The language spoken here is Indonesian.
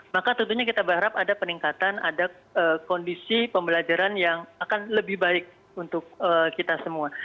maka tentunya kita berharap ada peningkatan ada kondisi pembelajaran yang akan lebih baik untuk kita semua